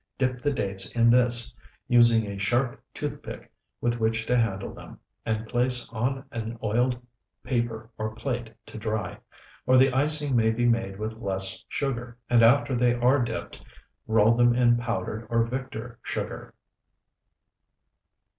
Dip the dates in this, using a sharp toothpick with which to handle them, and place on an oiled paper or plate to dry. Or the icing may be made with less sugar, and after they are dipped, roll them in powdered or Victor sugar.